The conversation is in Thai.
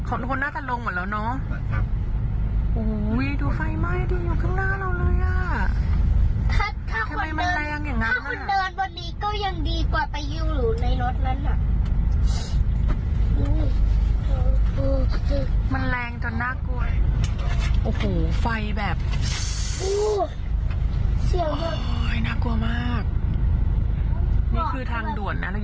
โอโหไฟแบบ